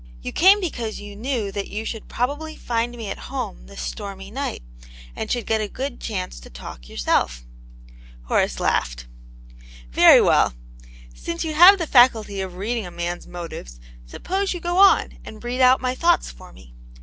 "You came because you knew that you should probably find me at home this stormy night, and should get a good chance to talk yourself." Horace laughed. "Very well. Since you have the faculty of read ing a man's motives, suppose you go on and read out my thoughts for me.